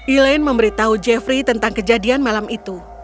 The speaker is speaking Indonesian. elaine memberitahu jeffrey tentang kejadian malam itu